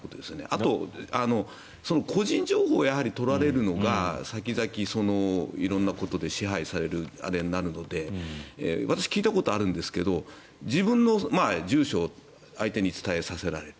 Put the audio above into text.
あと個人情報を取られるのが、先々色んなことで支配されるあれになるので私、聞いたことがあるんですが自分の住所を相手に伝えさせられる。